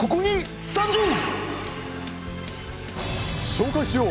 紹介しよう！